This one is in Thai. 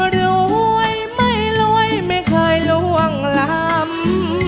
รวยไม่รวยไม่เคยล่วงลำ